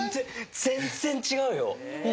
全然違うよ。